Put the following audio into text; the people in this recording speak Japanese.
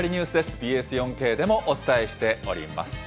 ＢＳ４Ｋでもお伝えしております。